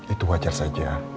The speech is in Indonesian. itu wajar saja